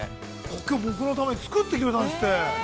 ◆コケ、僕のために作ってくれたんですって。